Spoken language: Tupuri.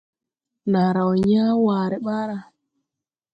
Naa raw yãã waare ɓaara.